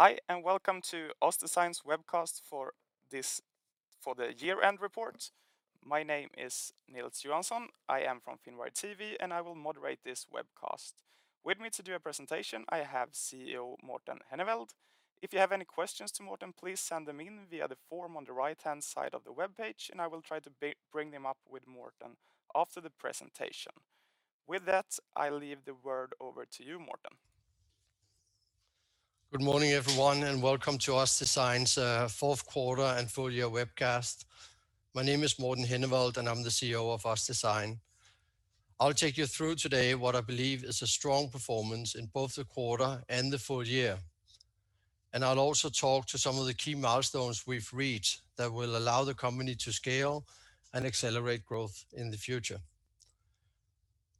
Hi, and welcome to OssDsign's webcast for the year-end report. My name is Nils Johansson. I am from Finwire TV, and I will moderate this webcast. With me to do a presentation, I have CEO Morten Henneveld. If you have any questions to Morten, please send them in via the form on the right-hand side of the webpage, and I will try to bring them up with Morten after the presentation. With that, I leave the word over to you, Morten. Good morning, everyone, and welcome to OssDsign's fourth quarter and full year webcast. My name is Morten Henneveld, and I'm the CEO of OssDsign. I'll take you through today what I believe is a strong performance in both the quarter and the full year, and I'll also talk to some of the key milestones we've reached that will allow the company to scale and accelerate growth in the future.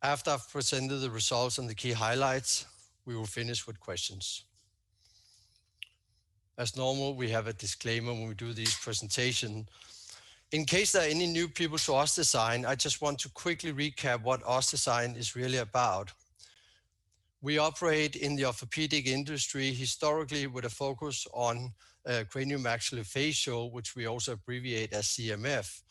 After I've presented the results and the key highlights, we will finish with questions. As normal, we have a disclaimer when we do these presentation. In case there are any new people to OssDsign, I just want to quickly recap what OssDsign is really about. We operate in the orthopedic industry, historically with a focus on craniomaxillofacial, which we also abbreviate as CMF,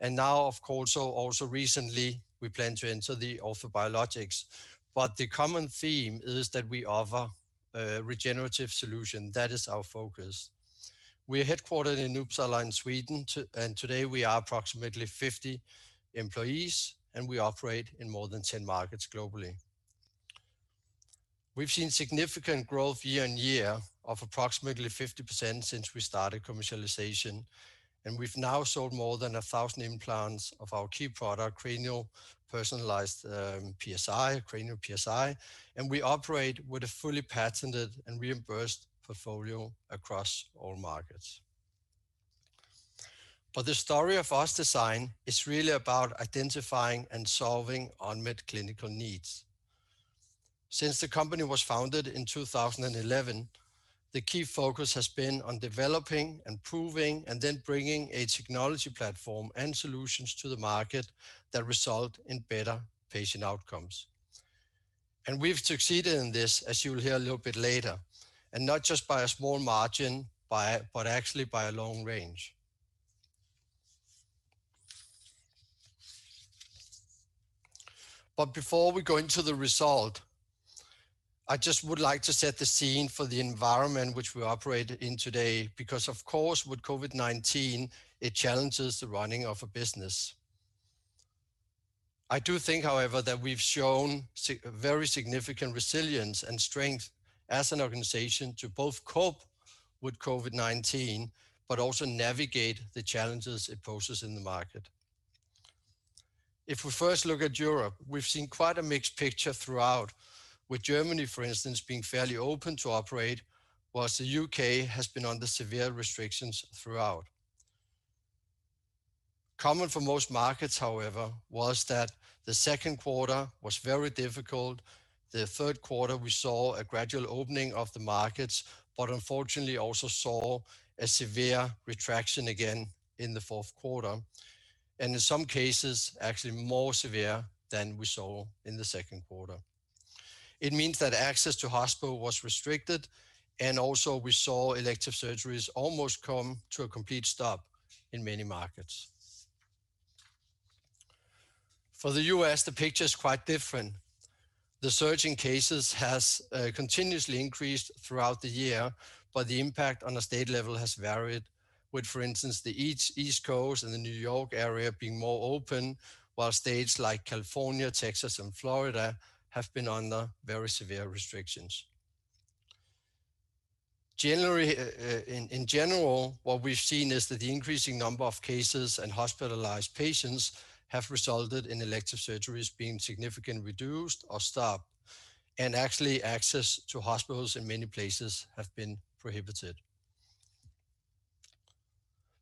and now of course, also recently, we plan to enter the Orthobiologics. The common theme is that we offer a regenerative solution. That is our focus. We are headquartered in Uppsala in Sweden, and today we are approximately 50 employees, and we operate in more than 10 markets globally. We've seen significant growth year-over-year of approximately 50% since we started commercialization, and we've now sold more than 1,000 implants of our key product, Cranial personalized PSI, Cranial PSI, and we operate with a fully patented and reimbursed portfolio across all markets. The story of OssDsign is really about identifying and solving unmet clinical needs. Since the company was founded in 2011, the key focus has been on developing and proving, and then bringing a technology platform and solutions to the market that result in better patient outcomes. We've succeeded in this, as you will hear a little bit later, and not just by a small margin, but actually by a long range. Before we go into the result, I just would like to set the scene for the environment which we operate in today because, of course, with COVID-19, it challenges the running of a business. I do think, however, that we've shown very significant resilience and strength as an organization to both cope with COVID-19 but also navigate the challenges it poses in the market. If we first look at Europe, we've seen quite a mixed picture throughout with Germany, for instance, being fairly open to operate whilst the U.K. has been under severe restrictions throughout. Common for most markets, however, was that the second quarter was very difficult. The third quarter, we saw a gradual opening of the markets, unfortunately also saw a severe retraction again in the fourth quarter, and in some cases, actually more severe than we saw in the second quarter. It means that access to hospital was restricted, and also we saw elective surgeries almost come to a complete stop in many markets. For the U.S., the picture is quite different. The surge in cases has continuously increased throughout the year, the impact on a state level has varied with, for instance, the East Coast and the New York area being more open whilst states like California, Texas, and Florida have been under very severe restrictions. In general, what we've seen is that the increasing number of cases and hospitalized patients have resulted in elective surgeries being significantly reduced or stopped, and actually access to hospitals in many places have been prohibited.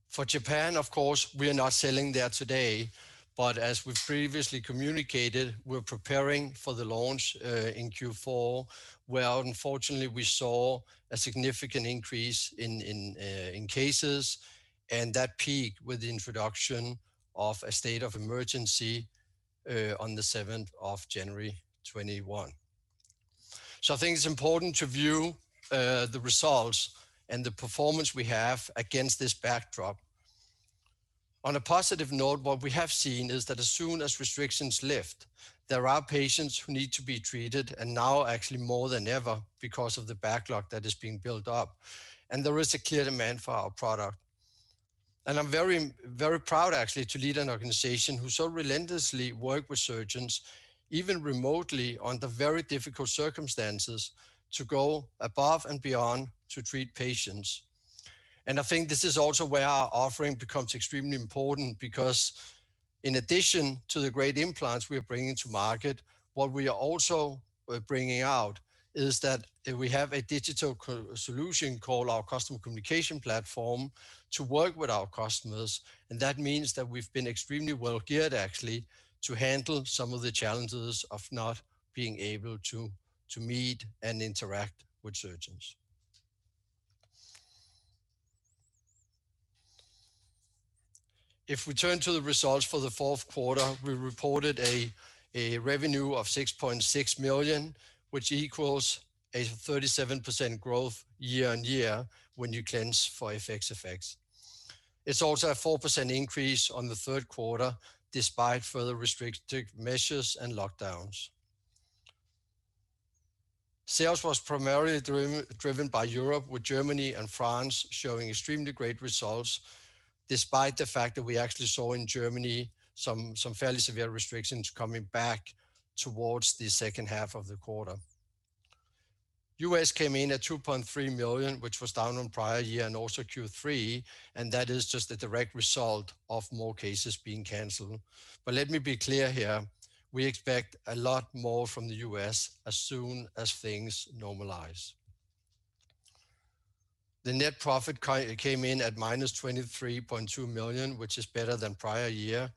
For Japan, of course, we are not selling there today, but as we previously communicated, we're preparing for the launch in Q4, where unfortunately, we saw a significant increase in cases and that peaked with the introduction of a state of emergency on the January 7th, 2021. I think it's important to view the results and the performance we have against this backdrop. On a positive note, what we have seen is that as soon as restrictions lift, there are patients who need to be treated, and now actually more than ever because of the backlog that is being built up, and there is a clear demand for our product. I'm very proud actually to lead an organization who so relentlessly work with surgeons, even remotely under very difficult circumstances, to go above and beyond to treat patients. I think this is also where our offering becomes extremely important because in addition to the great implants we are bringing to market, what we are also bringing out is that we have a digital solution called our Customer Communication Platform to work with our customers, and that means that we've been extremely well-geared actually to handle some of the challenges of not being able to meet and interact with surgeons. If we turn to the results for the fourth quarter, we reported a revenue of 6.6 million, which equals a 37% growth year-over-year when you cleanse for FX effects. It's also a 4% increase on the third quarter, despite further restrictive measures and lockdowns. Sales was primarily driven by Europe, with Germany and France showing extremely great results, despite the fact that we actually saw in Germany some fairly severe restrictions coming back towards the second half of the quarter. U.S. came in at 2.3 million, which was down on prior year and also Q3, and that is just a direct result of more cases being canceled. Let me be clear here, we expect a lot more from the U.S. as soon as things normalize. The net profit came in at -23.2 million, which is better than prior year.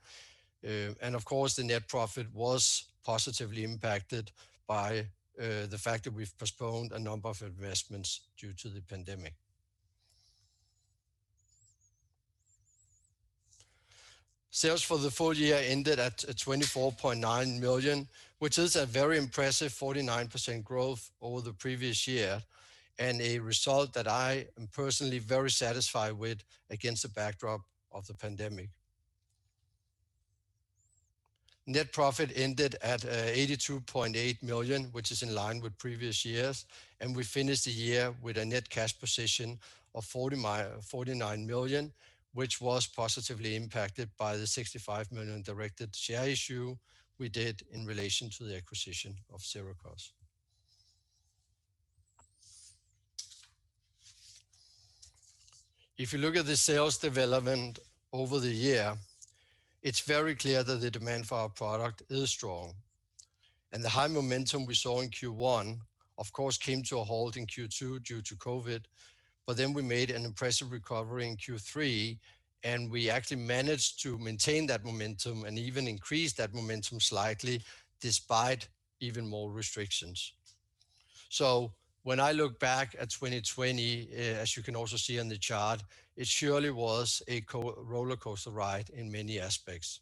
Of course, the net profit was positively impacted by the fact that we've postponed a number of investments due to the pandemic. Sales for the full year ended at 24.9 million, which is a very impressive 49% growth over the previous year, and a result that I am personally very satisfied with against the backdrop of the pandemic. Net profit ended at 82.8 million, which is in line with previous years, and we finished the year with a net cash position of 49 million, which was positively impacted by the 65 million directed share issue we did in relation to the acquisition of Sirakoss. If you look at the sales development over the year, it's very clear that the demand for our product is strong. The high momentum we saw in Q1, of course, came to a halt in Q2 due to COVID-19, but then we made an impressive recovery in Q3, and we actually managed to maintain that momentum and even increase that momentum slightly despite even more restrictions. When I look back at 2020, as you can also see on the chart, it surely was a roller coaster ride in many aspects.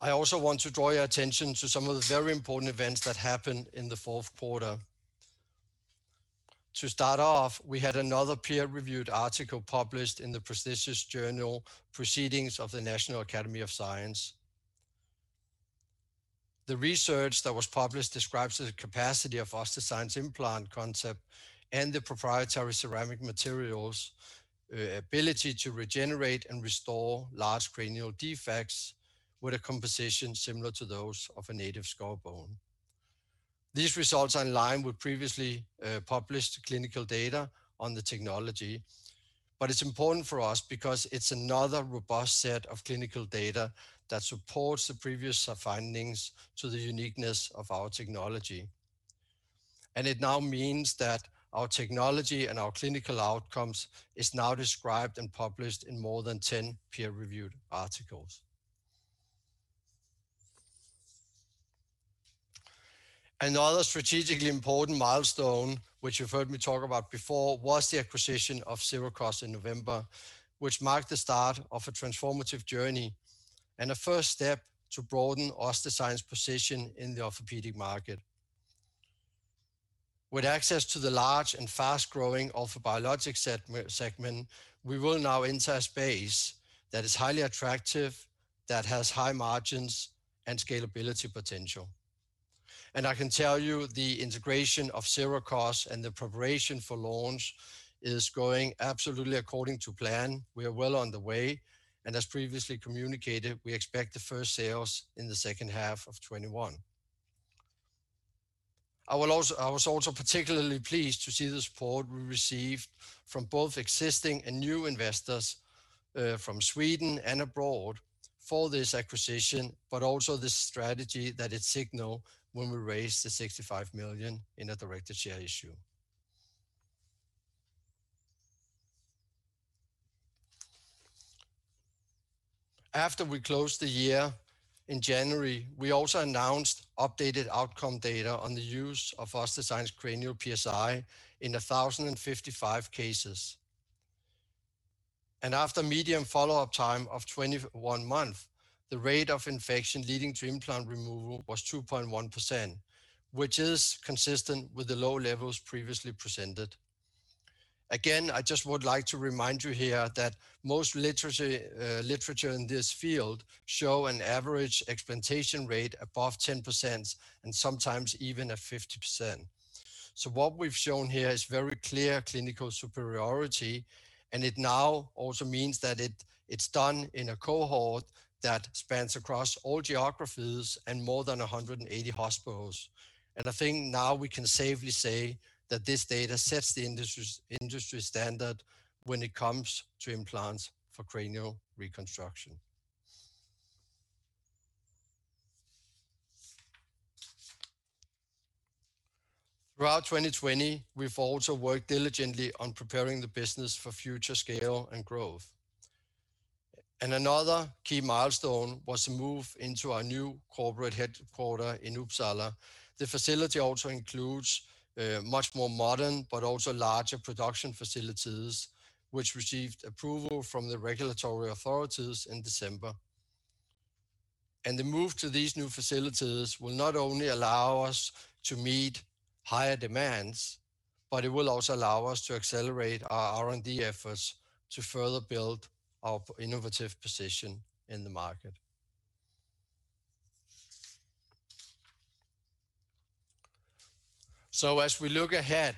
I also want to draw your attention to some of the very important events that happened in the fourth quarter. To start off, we had another peer-reviewed article published in the prestigious journal, Proceedings of the National Academy of Sciences. The research that was published describes the capacity of OssDsign's implant concept and the proprietary ceramic material's ability to regenerate and restore large cranial defects with a composition similar to those of a native skull bone. These results are in line with previously published clinical data on the technology. It's important for us because it's another robust set of clinical data that supports the previous findings to the uniqueness of our technology. It now means that our technology and our clinical outcomes is now described and published in more than 10 peer-reviewed articles. Another strategically important milestone, which you've heard me talk about before, was the acquisition of Sirakoss in November, which marked the start of a transformative journey and a first step to broaden OssDsign's position in the orthopedic market. With access to the large and fast-growing Orthobiologics segment, we will now enter a space that is highly attractive, that has high margins, and scalability potential. I can tell you the integration of Sirakoss and the preparation for launch is going absolutely according to plan. We are well on the way, and as previously communicated, we expect the first sales in the second half of 2021. I was also particularly pleased to see the support we received from both existing and new investors, from Sweden and abroad for this acquisition, but also the strategy that it signaled when we raised the 65 million in a directed share issue. After we closed the year in January, we also announced updated outcome data on the use of OssDsign's Cranial PSI in 1,055 cases. After median follow-up time of 21 month, the rate of infection leading to implant removal was 2.1%, which is consistent with the low levels previously presented. Again, I just would like to remind you here that most literature in this field show an average explantation rate above 10% and sometimes even at 50%. What we've shown here is very clear clinical superiority, and it now also means that it's done in a cohort that spans across all geographies and more than 180 hospitals. I think now we can safely say that this data sets the industry standard when it comes to implants for cranial reconstruction. Throughout 2020, we've also worked diligently on preparing the business for future scale and growth. Another key milestone was to move into our new corporate headquarters in Uppsala. The facility also includes much more modern but also larger production facilities, which received approval from the regulatory authorities in December. The move to these new facilities will not only allow us to meet higher demands, but it will also allow us to accelerate our R&D efforts to further build our innovative position in the market. As we look ahead,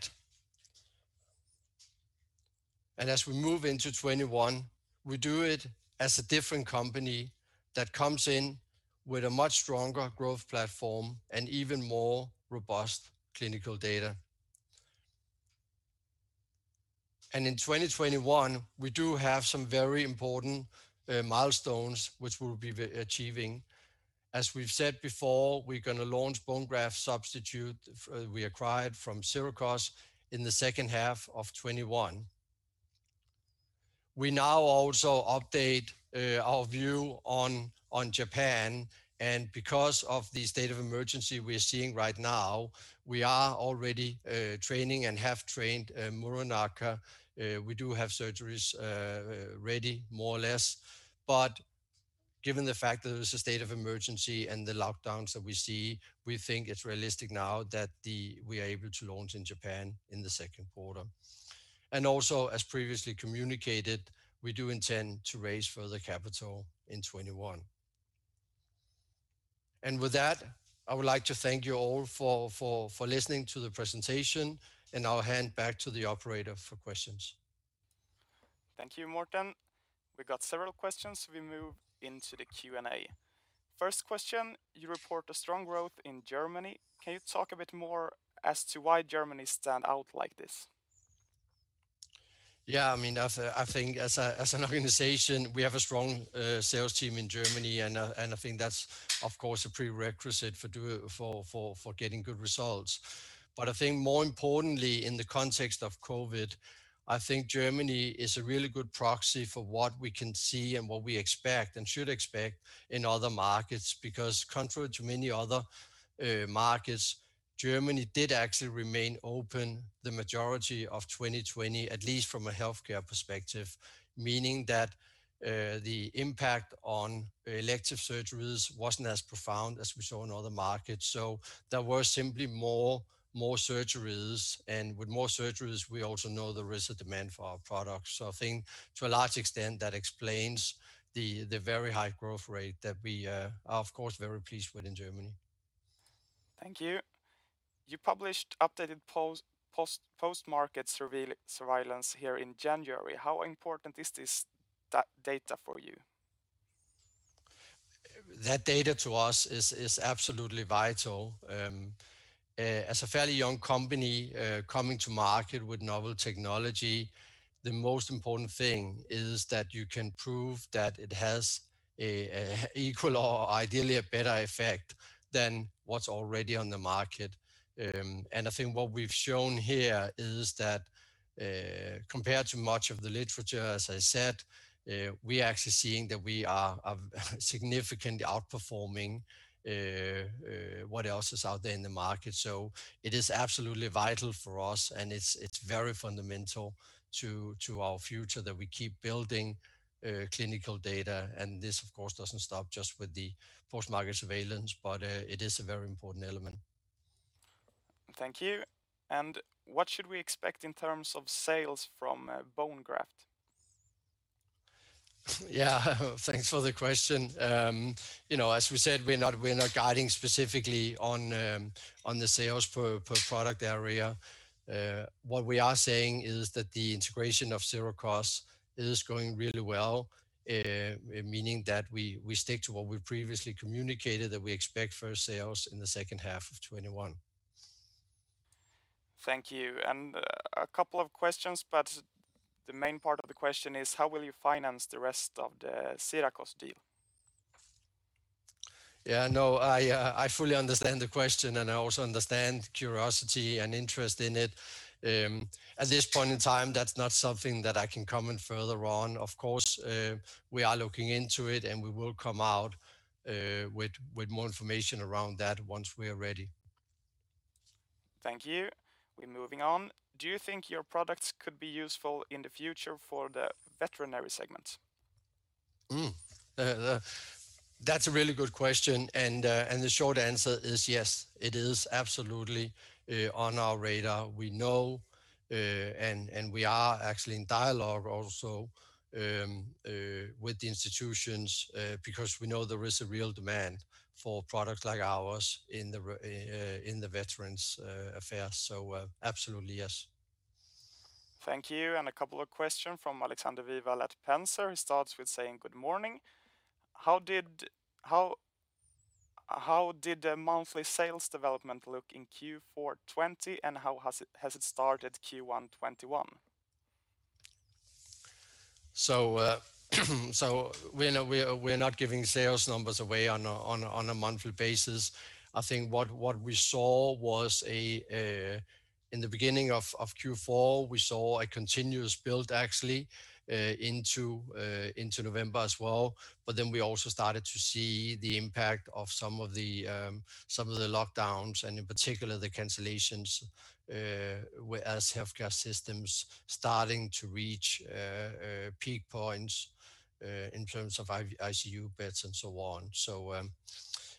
and as we move into 2021, we do it as a different company that comes in with a much stronger growth platform and even more robust clinical data. In 2021, we do have some very important milestones which we'll be achieving. As we've said before, we're going to launch bone graft substitute we acquired from Sirakoss in the second half of 2021. We now also update our view on Japan, because of the state of emergency we're seeing right now, we are already training and have trained Muranaka. We do have surgeries ready, more or less. Given the fact that there's a state of emergency and the lockdowns that we see, we think it's realistic now that we are able to launch in Japan in the second quarter. As previously communicated, we do intend to raise further capital in 2021. With that, I would like to thank you all for listening to the presentation, and I'll hand back to the operator for questions. Thank you, Morten. We got several questions. We move into the Q&A. First question: you report a strong growth in Germany. Can you talk a bit more as to why Germany stands out like this? Yeah. I think as an organization, we have a strong sales team in Germany, and I think that's, of course, a prerequisite for getting good results. I think more importantly, in the context of COVID, I think Germany is a really good proxy for what we can see and what we expect and should expect in other markets, because contrary to many other markets, Germany did actually remain open the majority of 2020, at least from a healthcare perspective, meaning that the impact on elective surgeries wasn't as profound as we saw in other markets. There were simply more surgeries, and with more surgeries, we also know there is a demand for our products. I think to a large extent, that explains the very high growth rate that we are, of course, very pleased with in Germany. Thank you. You published updated post-market surveillance here in January. How important is that data for you? That data to us is absolutely vital. As a fairly young company coming to market with novel technology, the most important thing is that you can prove that it has an equal or ideally a better effect than what's already on the market. I think what we've shown here is that compared to much of the literature, as I said, we are actually seeing that we are significantly outperforming what else is out there in the market. It is absolutely vital for us, and it's very fundamental to our future that we keep building clinical data. This, of course, doesn't stop just with the post-market surveillance, but it is a very important element. Thank you. What should we expect in terms of sales from bone graft? Yeah. Thanks for the question. As we said, we're not guiding specifically on the sales per product area. What we are saying is that the integration of Sirakoss is going really well, meaning that we stick to what we previously communicated, that we expect first sales in the second half of 2021. Thank you. A couple of questions, but the main part of the question is, how will you finance the rest of the Sirakoss deal? Yeah, no, I fully understand the question, and I also understand curiosity and interest in it. At this point in time, that's not something that I can comment further on. Of course, we are looking into it, and we will come out with more information around that once we are ready. Thank you. We're moving on. Do you think your products could be useful in the future for the veterinary segment? That's a really good question, and the short answer is yes, it is absolutely on our radar. We know, and we are actually in dialogue also with the institutions because we know there is a real demand for products like ours in the Veterans Affairs. Absolutely, yes. Thank you. A couple of question from Alexander Vilval at Penser. He starts with saying good morning. How did the monthly sales development look in Q4 2020, and how has it started Q1 2021? We're not giving sales numbers away on a monthly basis. I think what we saw was, in the beginning of Q4, we saw a continuous build actually into November as well. We also started to see the impact of some of the lockdowns, and in particular, the cancellations as healthcare systems starting to reach peak points in terms of ICU beds and so on.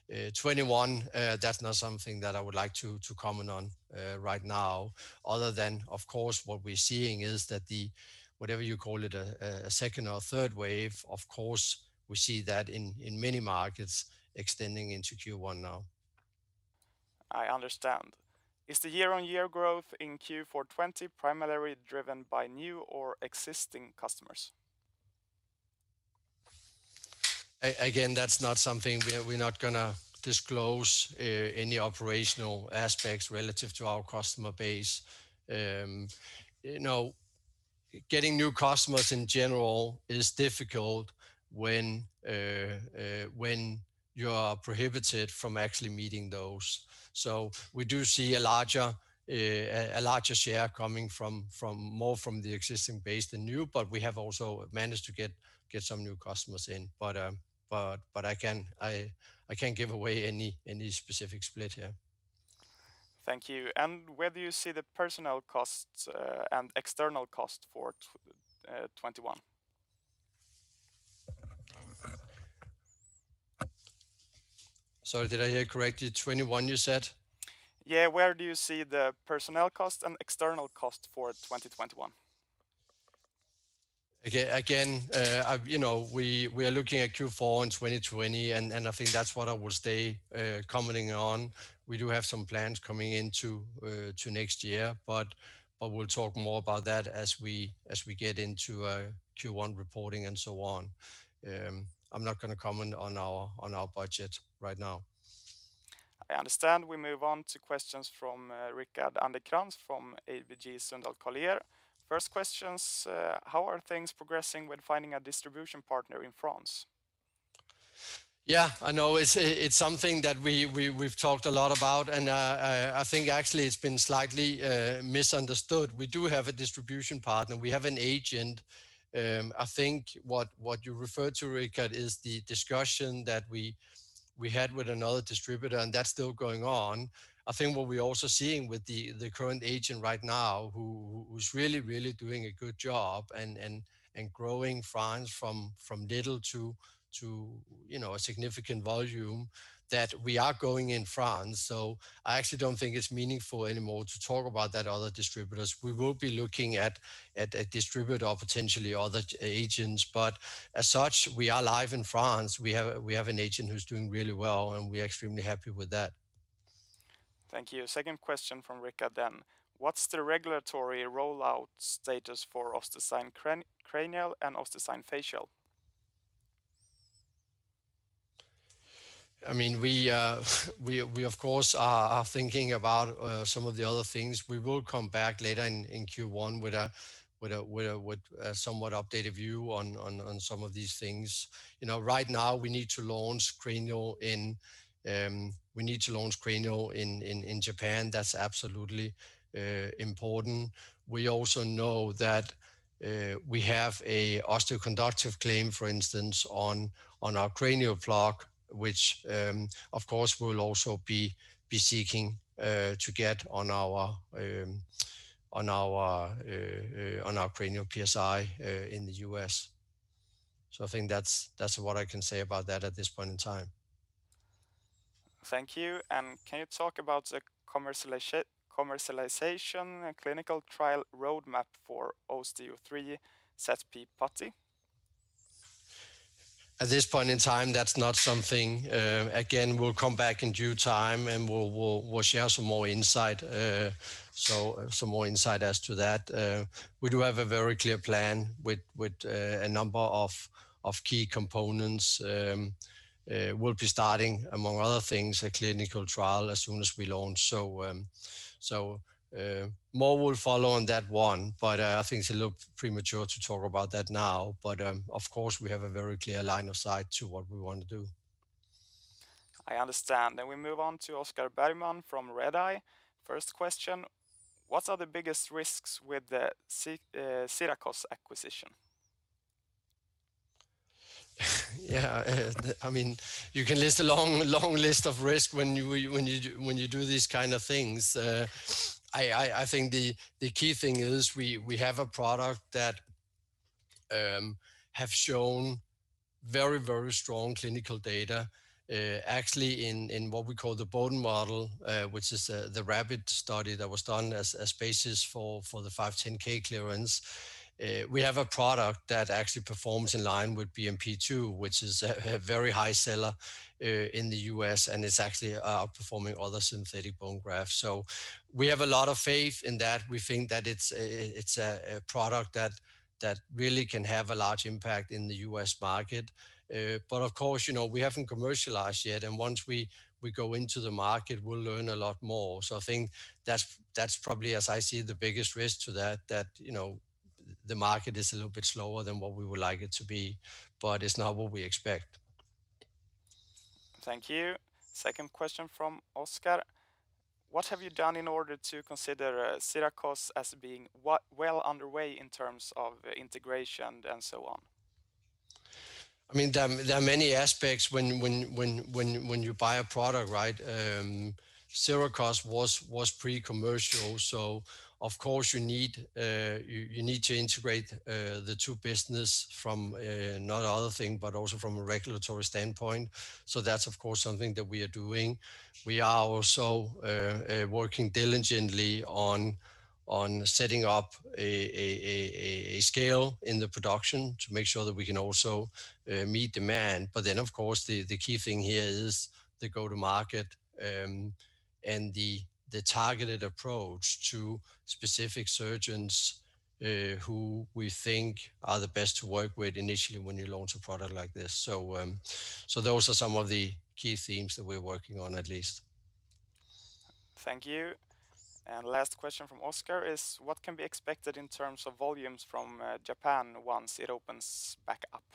2021, that's not something that I would like to comment on right now, other than, of course, what we're seeing is that the, whatever you call it, a second or third wave, of course, we see that in many markets extending into Q1 now. I understand. Is the year-on-year growth in Q4 2020 primarily driven by new or existing customers? We're not going to disclose any operational aspects relative to our customer base. Getting new customers in general is difficult when you are prohibited from actually meeting those. We do see a larger share coming more from the existing base than new, but we have also managed to get some new customers in. I can't give away any specific split here. Thank you. Where do you see the personnel costs and external cost for 2021? Sorry, did I hear correctly? 2021, you said? Yeah. Where do you see the personnel cost and external cost for 2021? Again, we are looking at Q4 in 2020, and I think that's what I will stay commenting on. We do have some plans coming into next year, but we'll talk more about that as we get into Q1 reporting and so on. I'm not going to comment on our budget right now. I understand. We move on to questions from Rickard Anderkrans from ABG Sundal Collier. First questions, how are things progressing when finding a distribution partner in France? I know it's something that we've talked a lot about. I think actually it's been slightly misunderstood. We do have a distribution partner. We have an agent. I think what you refer to, Rickard, is the discussion that we had with another distributor. That's still going on. I think what we're also seeing with the current agent right now, who's really doing a good job and growing France from little to a significant volume, that we are growing in France. I actually don't think it's meaningful anymore to talk about that other distributors. We will be looking at a distributor or potentially other agents. As such, we are live in France. We have an agent who's doing really well. We are extremely happy with that. Thank you. Second question from Rickard, then. What's the regulatory rollout status for OssDsign Cranial and OssDsign Facial? We, of course, are thinking about some of the other things. We will come back later in Q1 with a somewhat updated view on some of these things. Right now, we need to launch cranial in Japan. That's absolutely important. We also know that we have a osteoconductive claim, for instance, on our CranioPlug, which, of course, we'll also be seeking to get on our Cranial PSI in the U.S. I think that's what I can say about that at this point in time. Thank you. Can you talk about the commercialization and clinical trial roadmap for Osteo3 ZP Putty? At this point in time, that's not something. Again, we'll come back in due time, and we'll share some more insight as to that. We do have a very clear plan with a number of key components. We'll be starting, among other things, a clinical trial as soon as we launch. More will follow on that one, but I think it's a little premature to talk about that now. Of course, we have a very clear line of sight to what we want to do. I understand. We move on to Oscar Bergman from Redeye. First question, what are the biggest risks with the Sirakoss acquisition? Yeah. You can list a long list of risks when you do these kind of things. I think the key thing is we have a product that has shown very strong clinical data. Actually, in what we call the Boden model, which is the rabbit study that was done as basis for the 510(k) clearance. We have a product that actually performs in line with BMP-2, which is a very high seller in the U.S., and it's actually outperforming other synthetic bone grafts. We have a lot of faith in that. We think that it's a product that really can have a large impact in the U.S. market. Of course, we haven't commercialized yet, and once we go into the market, we'll learn a lot more. I think that's probably, as I see, the biggest risk to that the market is a little bit slower than what we would like it to be. It's not what we expect. Thank you. Second question from Oscar: what have you done in order to consider Sirakoss as being well underway in terms of integration and so on? There are many aspects when you buy a product. Sirakoss was pre-commercial, of course you need to integrate the two businesses from not other thing but also from a regulatory standpoint. That's of course something that we are doing. We are also working diligently on setting up a scale in the production to make sure that we can also meet demand. Of course, the key thing here is the go-to-market and the targeted approach to specific surgeons who we think are the best to work with initially when you launch a product like this. Those are some of the key themes that we're working on, at least. Thank you. Last question from Oscar is, what can be expected in terms of volumes from Japan once it opens back up?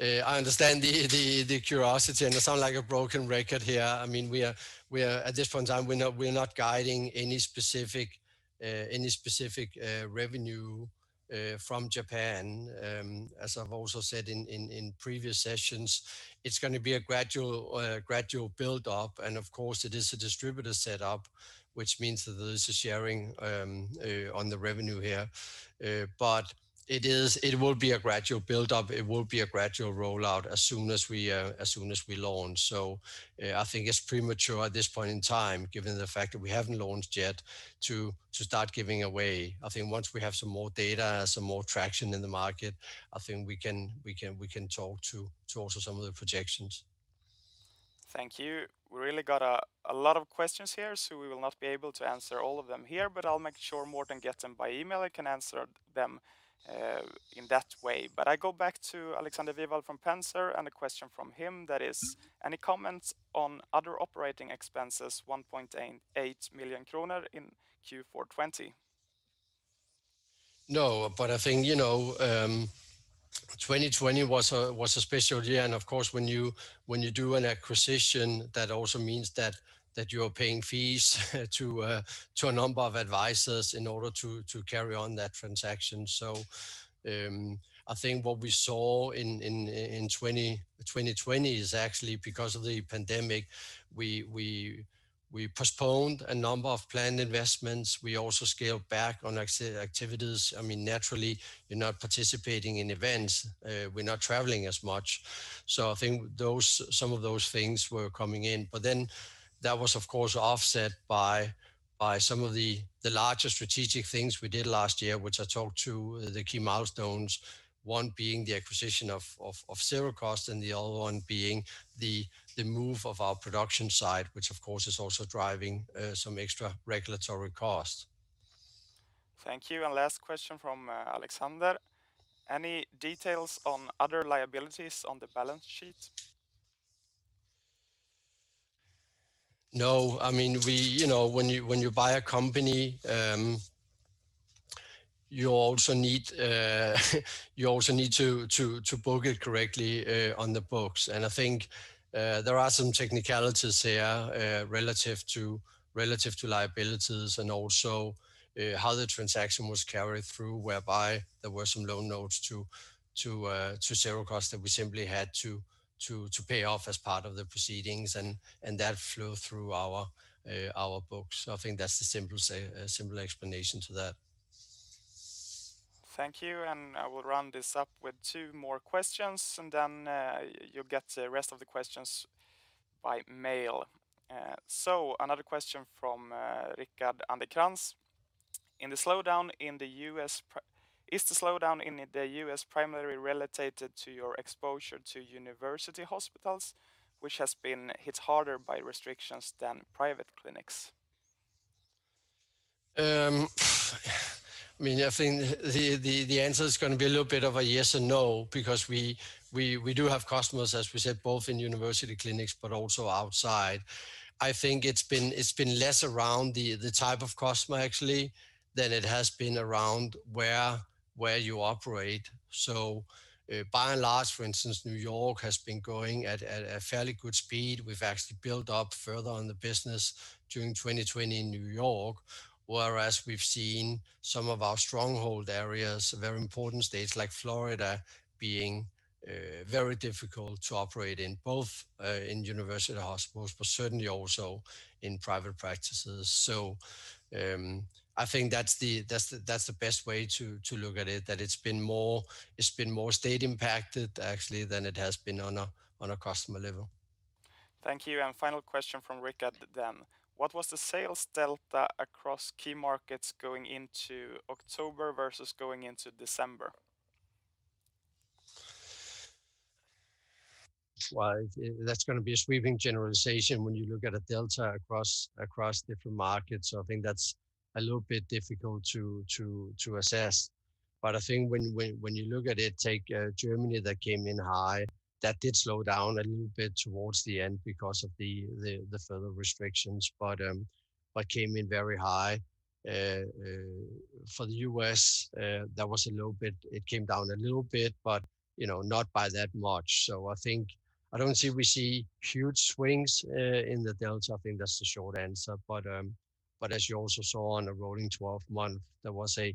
I understand the curiosity, and I sound like a broken record here. At this point in time, we're not guiding any specific revenue from Japan. As I've also said in previous sessions, it's going to be a gradual build-up, and of course, it is a distributor set-up, which means that there is a sharing on the revenue here. It will be a gradual build-up. It will be a gradual rollout as soon as we launch. I think it's premature at this point in time, given the fact that we haven't launched yet to start giving away. I think once we have some more data, some more traction in the market, I think we can talk to also some of the projections. Thank you. We really got a lot of questions here, so we will not be able to answer all of them here, but I'll make sure Morten gets them by email and can answer them in that way. I go back to Alexander Vilval from Penser and a question from him that is, any comments on other operating expenses, 1.8 million kronor in Q4 2020? No. I think, 2020 was a special year. Of course, when you do an acquisition, that also means that you are paying fees to a number of advisors in order to carry on that transaction. I think what we saw in 2020 is actually because of the pandemic, we postponed a number of planned investments. We also scaled back on activities. Naturally, you're not participating in events. We're not traveling as much. I think some of those things were coming in. That was, of course, offset by some of the larger strategic things we did last year, which I talked to the key milestones, one being the acquisition of Sirakoss, and the other one being the move of our production site, which, of course, is also driving some extra regulatory cost. Thank you. Last question from Alexander. Any details on other liabilities on the balance sheet? No. When you buy a company, you also need to book it correctly on the books. I think there are some technicalities here relative to liabilities and also how the transaction was carried through, whereby there were some loan notes to Sirakoss that we simply had to pay off as part of the proceedings, and that flew through our books. I think that's the simple explanation to that. Thank you. I will round this up with two more questions, and then you'll get the rest of the questions by mail. Another question from Rickard Anderkrans. Is the slowdown in the U.S. primarily related to your exposure to university hospitals, which has been hit harder by restrictions than private clinics? I think the answer is going to be a little bit of a yes and no, because we do have customers, as we said, both in university clinics, but also outside. I think it's been less around the type of customer, actually, than it has been around where you operate. By and large, for instance, New York has been growing at a fairly good speed. We've actually built up further on the business during 2020 in New York, whereas we've seen some of our stronghold areas, very important states like Florida, being very difficult to operate in, both in university hospitals, but certainly also in private practices. I think that's the best way to look at it, that it's been more state impacted, actually, than it has been on a customer level. Thank you. Final question from Rickard then. What was the sales delta across key markets going into October versus going into December? That's going to be a sweeping generalization when you look at a delta across different markets. I think that's a little bit difficult to assess. I think when you look at it, take Germany that came in high, that did slow down a little bit towards the end because of the further restrictions, but came in very high. For the U.S., it came down a little bit, but not by that much. I don't see we see huge swings in the delta. I think that's the short answer. As you also saw on a rolling 12-month, there was a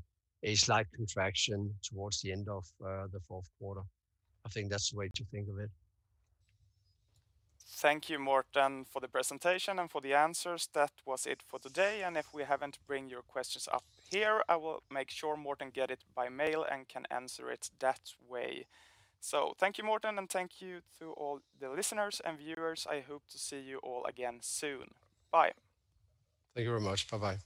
slight contraction towards the end of the fourth quarter. I think that's the way to think of it. Thank you, Morten, for the presentation and for the answers. That was it for today. If we haven't bring your questions up here, I will make sure Morten get it by mail and can answer it that way. Thank you, Morten, and thank you to all the listeners and viewers. I hope to see you all again soon. Bye. Thank you very much. Bye-bye.